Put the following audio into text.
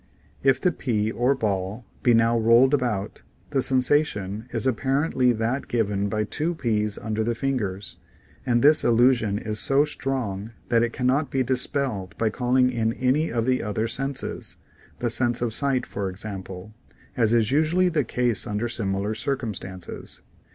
If the pea or ball be now rolled about, the sensation is apparently that given by two peas under the fingers, and this illusion is so strong that it can not be dispelled by calling in any of the other senses (the sense of sight for example) as is usually the case under similar circumstances.